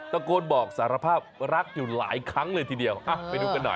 ตะโกนบอกสารภาพรักอยู่หลายครั้งเลยทีเดียวไปดูกันหน่อย